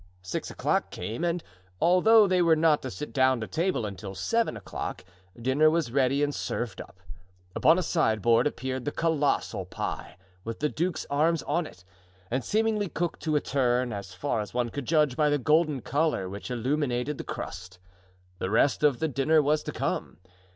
Six o'clock came and, although they were not to sit down to table until seven o'clock, dinner was ready and served up. Upon a sideboard appeared the colossal pie with the duke's arms on it, and seemingly cooked to a turn, as far as one could judge by the golden color which illuminated the crust. The rest of the dinner was to come.